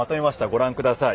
ご覧ください。